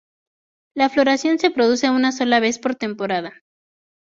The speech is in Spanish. La floración se produce una sola vez por temporada.